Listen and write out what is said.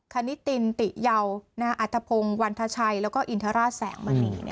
คณิตินติเยาอัธพงศ์วันทชัยแล้วก็อินทราชแสงมณี